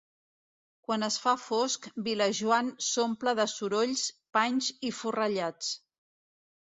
Quan es fa fosc Vilajoan s'omple de sorolls, panys i forrellats.